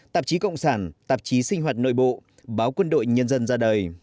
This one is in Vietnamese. tạp chí cộng sản tạp chí sinh hoạt nội bộ báo quân đội nhân dân ra đời